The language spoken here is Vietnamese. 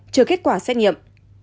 chờ kết quả xét nghiệm